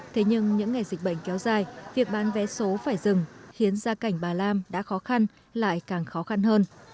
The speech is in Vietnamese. thế nhưng những ngày dịch bệnh kéo dài việc bán vé số phải dừng khiến gia cảnh bà lam đã khó khăn lại càng khó khăn hơn